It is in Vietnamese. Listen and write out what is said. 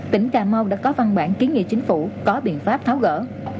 tỉnh cà mau đã có văn bản kiến nghị chính phủ có biện pháp tháo gỡ